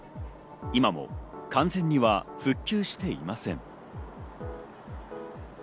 今も完全には復旧していません。